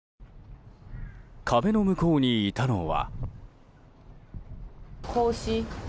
壁の向こうにいたのは。